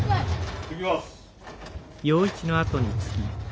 行ってきます。